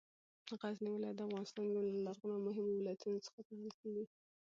غزنې ولایت د افغانستان یو له لرغونو او مهمو ولایتونو څخه ګڼل کېږې